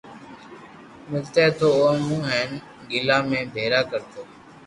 ملتي تو او مون ھين گلا ۾ ڀآرا ڪرتو